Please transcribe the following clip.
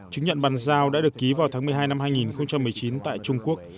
chứng nhận bàn giao đã được ký vào tháng một mươi hai năm hai nghìn một mươi chín tại trung quốc